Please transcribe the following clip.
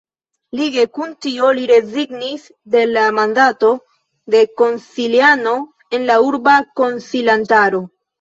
Lige kun tio li rezignis de la mandato de konsiliano en la Urba Konsilantaro.